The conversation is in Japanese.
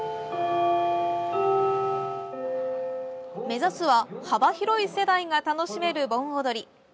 目指すは幅広い世代が楽しめる盆踊り。